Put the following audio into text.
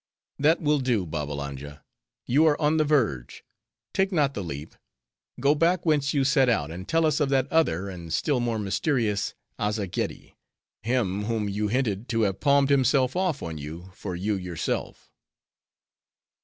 "That will do, Babbalanja; you are on the verge, take not the leap! Go back whence you set out, and tell us of that other, and still more mysterious Azzageddi; him whom you hinted to have palmed himself off on you for you yourself."